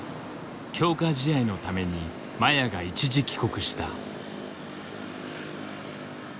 強化試合のために麻也が一時帰国した。